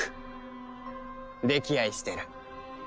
溺愛してる。